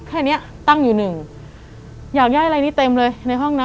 แค่เนี้ยตั้งอยู่หนึ่งอยากย่อยอะไรนี้เต็มเลยในห้องนะ